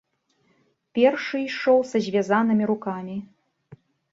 Першы ішоў са звязанымі рукамі.